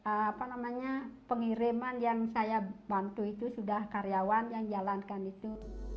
apa namanya pengiriman yang saya bantu itu sudah karyawan yang jalankan itu